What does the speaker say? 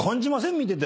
見てて。